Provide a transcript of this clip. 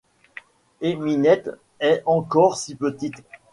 Et Ninette est encore si petite !